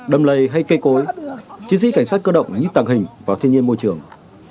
đầm lầy hay cây cối chiến sĩ cảnh sát cơ động như tàng hình vào thiên nhiên môi trường